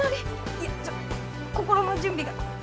いやちょっと心の準備が。